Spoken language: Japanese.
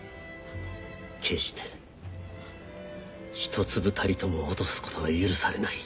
決して一粒たりとも落とすことは許されない。